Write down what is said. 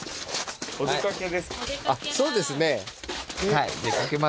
そうですね。